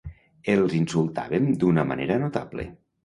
Els insultàvem d'una manera notable.